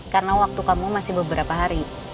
karena waktu kamu masih beberapa hari